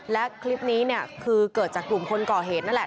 และคลิปนี้เนี่ยคือเกิดจากกลุ่มคนก่อเหตุนั่นแหละ